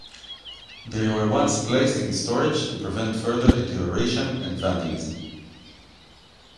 They were once placed in storage to prevent further deterioration and vandalism.